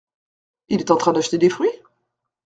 Il est en train d’acheter des fruits ?